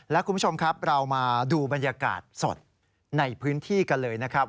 และคุณผู้ชมครับเรามาดูบรรยากาศสดในพื้นที่กันเลยนะครับ